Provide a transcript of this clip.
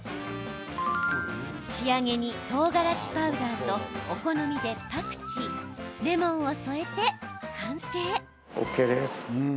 仕上げにとうがらしパウダーとお好みでパクチー、レモンを添えて完成。